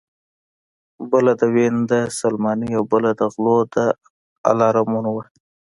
بله د وین د سلماني او بله د غلو د الارمونو وه